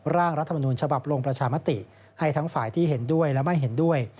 ร่างรัฐมนุนฉบับลงประชามติให้ทั้งฝ่ายที่เห็นด้วยและไม่เห็นด้วย